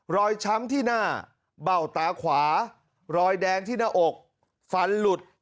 ช้ำที่หน้าเบ้าตาขวารอยแดงที่หน้าอกฟันหลุด